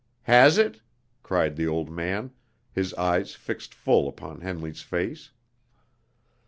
"Has it?" cried the old man, his eyes fixed full upon Henley's face.